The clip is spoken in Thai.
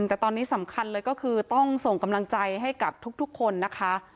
แต่ตอนนี้สำคัญเลยก็คือต้องส่งกำลังใจให้กับทุกคนนะคะ